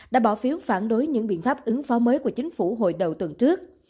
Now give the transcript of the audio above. đã bỏ phiếu phản đối những biện pháp ứng phó mới của chính phủ hồi đầu tuần trước